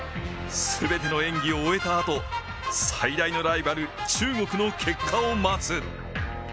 すべての演技を終えたあと最大のライバル・中国の結果を待つ。